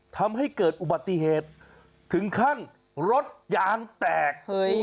ทำให้เกิดอุบัติเหตุถึงขั้นรถยางแตก